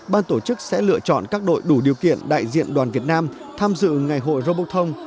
ban tổ chức sẽ lựa chọn các đội đủ điều kiện đại diện đoàn việt nam tham dự ngày hội robotong